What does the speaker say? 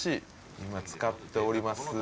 今つかっております